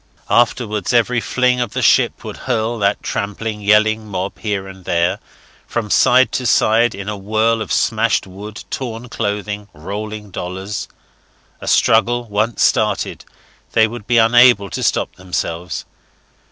Afterwards every fling of the ship would hurl that tramping, yelling mob here and there, from side to side, in a whirl of smashed wood, torn clothing, rolling dollars. A struggle once started, they would be unable to stop themselves.